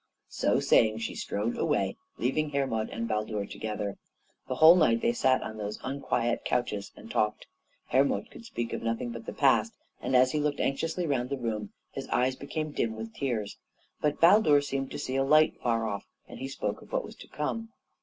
So saying she strode away, leaving Hermod and Baldur together. The whole night they sat on those unquiet couches and talked. Hermod could speak of nothing but the past, and as he looked anxiously round the room his eyes became dim with tears. But Baldur seemed to see a light far off, and he spoke of what was to come.